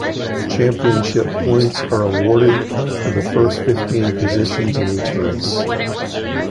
Championship points are awarded for the first fifteen positions in each race.